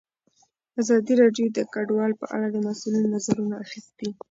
ازادي راډیو د کډوال په اړه د مسؤلینو نظرونه اخیستي.